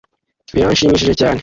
Biranshimishije cyane